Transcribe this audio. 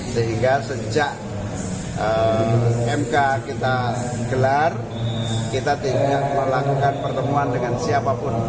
sehingga sejak mk kita gelar kita tidak melakukan pertemuan dengan siapapun